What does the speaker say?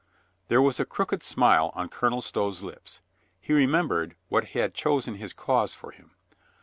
There was a crooked smile on Colonel Stow's lips. He remembered what had chosen his cause for him.